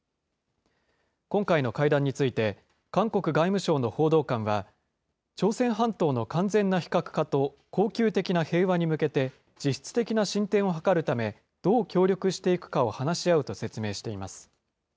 今回の会談について、韓国外務省の報道官は、朝鮮半島の完全な非核化と恒久的な平和に向けて、実質的な進展を図るため、どう協力していくかを話し合うと説明しています。